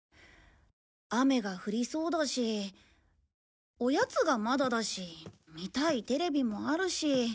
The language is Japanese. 雨が降りそうだしおやつがまだだし見たいテレビもあるし。